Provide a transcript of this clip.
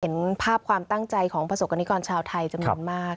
เห็นภาพความตั้งใจของประสบกรณิกรชาวไทยจำนวนมาก